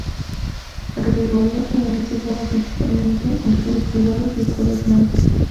La categoría juvenil se juega principalmente en clubes privados y escuelas grandes.